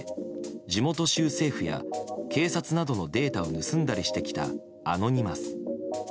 地元州政府や警察などのデータを盗んだりしてきたアノニマス。